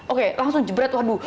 oke langsung jebret waduh